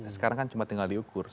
sekarang kan cuma tinggal diukur